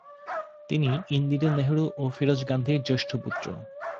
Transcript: তিনি ইন্দিরা নেহেরু ও ফিরোজ গান্ধীর জ্যৈষ্ঠ পুত্র।